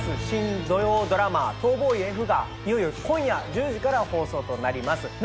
新土曜ドラマ『逃亡医Ｆ』がいよいよ今夜１０時から放送となります。